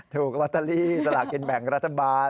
ถูกลอตเตอรี่สลากินแบ่งรัฐบาล